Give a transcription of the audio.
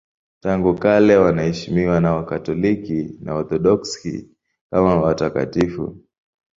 Tangu kale wanaheshimiwa na Wakatoliki na Waorthodoksi kama watakatifu.